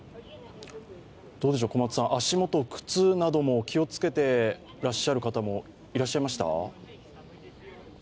足元、靴なども気をつけてらっしゃる方もいらっしゃいました？